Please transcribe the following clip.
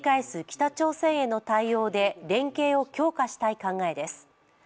北朝鮮への対応で、連携を強化したい考えです。